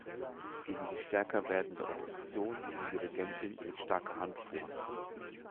Gegen die stärker werdende Opposition ging die Regentin mit starker Hand vor.